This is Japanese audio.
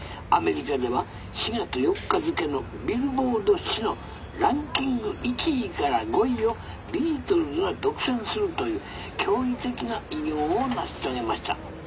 アメリカでは４月４日付けのビルボード誌のランキング１位から５位をビートルズが独占するという驚異的な偉業を成し遂げました。